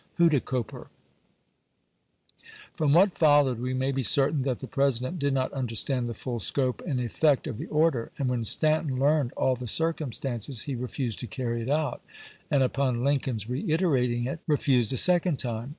Huidekoper, From what followed we may be certain that the President did not understand the full scope and ef fect of the order, and when Stanton learned all the cii'cumstances he refused to carry it out, and upon Lincoln's reiterating it, refused a second time.